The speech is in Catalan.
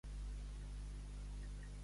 —Gràcies! —Un ca se'n va morir de gràcies.